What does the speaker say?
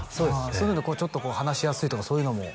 そういうのこうちょっと話しやすいとかそういうのも？